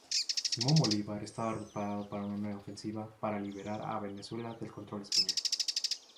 Simón Bolívar estaba preparando una nueva ofensiva para liberar a Venezuela del control español.